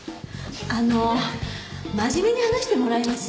あの真面目に話してもらえます？